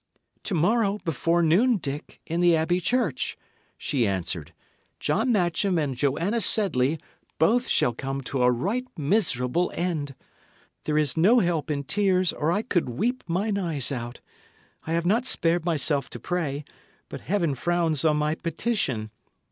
"To morrow, before noon, Dick, in the abbey church," she answered, "John Matcham and Joanna Sedley both shall come to a right miserable end. There is no help in tears, or I could weep mine eyes out. I have not spared myself to pray, but Heaven frowns on my petition.